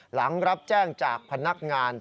หลังรับแจ้งจากพนักงาน